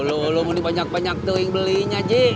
ulu mending banyak banyak tuh yang belinya haji